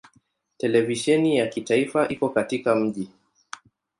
Televisheni ya kitaifa iko katika mji.